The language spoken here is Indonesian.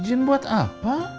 izin buat apa